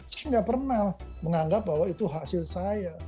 saya nggak pernah menganggap bahwa itu hasil saya